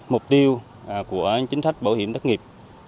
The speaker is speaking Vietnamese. mục tiêu của chính sách bảo hiểm thất nghiệp